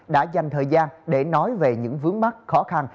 đã dành thời gian để nói về những vướng mắt khó khăn